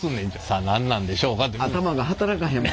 さあ何なんでしょうか。